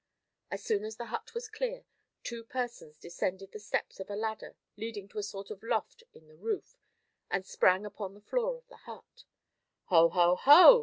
As soon as the hut was clear, two persons descended the steps of a ladder leading to a sort of loft in the roof, and sprang upon the floor of the hut. "Ho! ho! Ho!"